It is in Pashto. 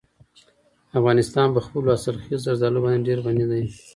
افغانستان په خپلو حاصلخیزه زردالو باندې ډېر غني دی.